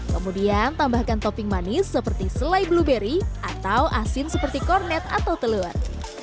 kemudian tambahkan topping manis seperti selai blueberry atau asin seperti kornet atau telur